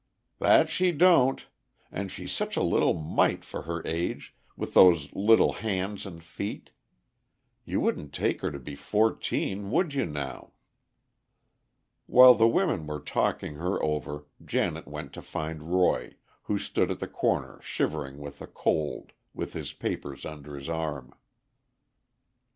"That she don't; and she 's such a little mite for her age, with those little hands and feet. You wouldn't take her to be fourteen, would you, now?" While the women were talking her over, Janet went to find Roy, who stood at the corner shivering with the cold, with his papers under his arm.